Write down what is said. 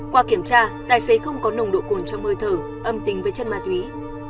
qua kiểm tra tài xế không có nồng độ cồn trong hơi thở âm tính với chất ma túy